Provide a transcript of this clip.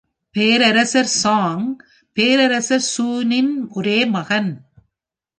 பேரரசர் சோங் பேரரசர் ஷூனின் ஒரே மகன்.